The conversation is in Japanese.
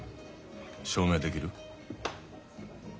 証明できる？